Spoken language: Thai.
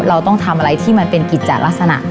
เราต้องทำอะไรที่มันเป็นกิจจัดลักษณะ